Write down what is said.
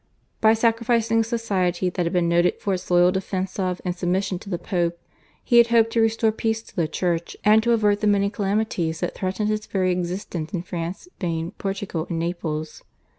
By sacrificing a society that had been noted for its loyal defence of and submission to the Pope, he had hoped to restore peace to the Church, and to avert the many calamities that threatened its very existence in France, Spain, Portugal, and Naples.